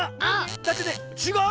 だってねちがう？